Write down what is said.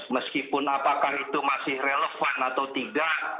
meskipun apakah itu masih relevan atau tidak